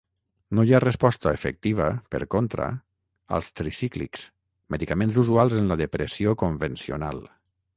No hi ha resposta efectiva, per contra, als tricíclics, medicaments usuals en la depressió convencional.